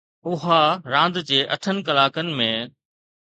اها راند جي اٺن ڪلاڪن ۾